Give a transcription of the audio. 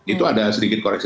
itu ada sedikit koreksi